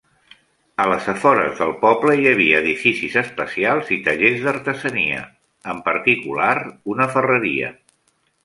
A les afores del poble hi havia edificis especials i tallers d'artesania, en particular, una ferreria.